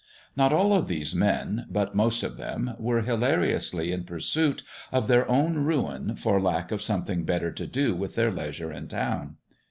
Not all of these men, but most of them, were hilariously in pursuit of their own ruin for lack of something better to do with their leisure in town.